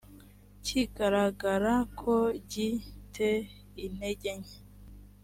kigaragara ko gi te intege nke